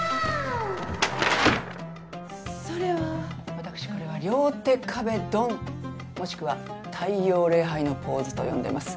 私これは両手壁ドンもしくは太陽礼拝のポーズと呼んでます。